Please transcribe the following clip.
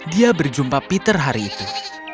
dia berjumpa peter hari itu